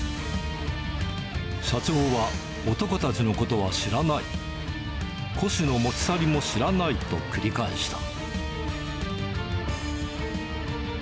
社長は、男たちのことは知らない、古紙の持ち去りも知らないと繰り返した。